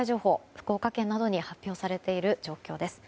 福岡県などに発表されている状況です。